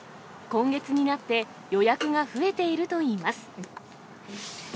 今月になって、予約が増えているといいます。